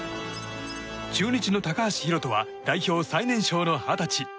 中日の高橋宏斗は代表最年少の二十歳。